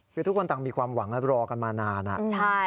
คือทุกคนต่างมีความหวังแล้วรอกันมานาน